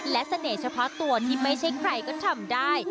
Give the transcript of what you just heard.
และเสน่ห์เฉพาะตัวที่ไม่ใช่ใครก็ทำได้